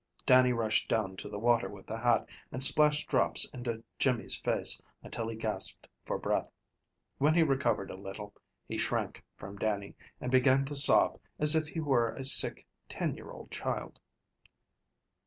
Dannie rushed down to the water with the hat, and splashed drops into Jimmy's face until he gasped for breath. When he recovered a little, he shrank from Dannie, and began to sob, as if he were a sick ten year old child.